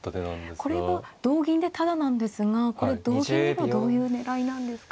これは同銀でタダなんですがこれ同銀にはどういう狙いなんですか。